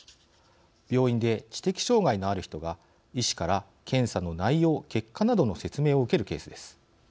病院で知的障害のある人が医師から検査の内容・結果などの説明を受けるケースです。